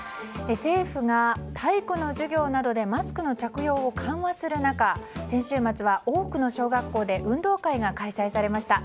政府が体育の授業などでマスクの着用を緩和する中先週末は多くの小学校で運動会が開催されました。